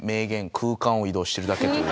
空間を移動してるだけという。